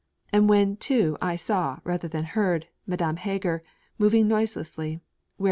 And when, too, I saw, rather than heard, Madame Heger, moving noiselessly, where M.